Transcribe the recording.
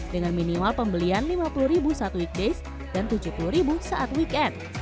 dengan minimal pembelian lima puluh ribu saat weekdays dan tujuh puluh ribu saat weekend